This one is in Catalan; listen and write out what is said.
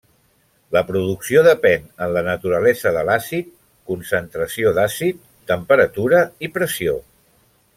La producció depèn en la naturalesa de l'àcid, concentració d'àcid, temperatura i pressió.